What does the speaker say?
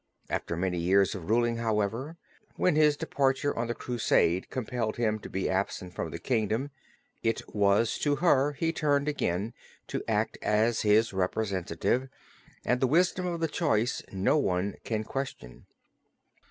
After many years of ruling however, when his departure on the Crusade compelled him to be absent from the kingdom it was to her he turned again to act as his representative and the wisdom of the choice no one can question.